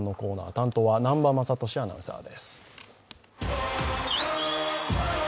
担当は南波雅俊アナウンサーです。